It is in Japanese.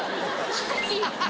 はい。